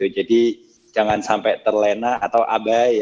jadi jangan sampai terlena atau abai